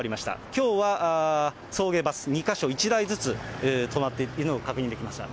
きょうは送迎バス、２か所、１台ずつ止まっているのが確認できました。